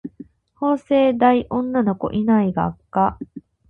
法政大学女の子いない学科